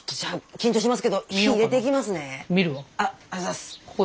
緊張します